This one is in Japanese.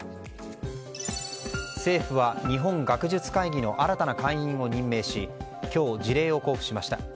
政府は日本学術会議の新たな会員を任命し今日、辞令を交付しました。